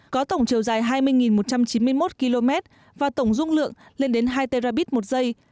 có tổng chiều dài hai mươi một trăm chín mươi một km và tổng dung lượng lên đến hai trabit một giây